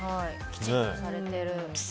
きちんとされてる。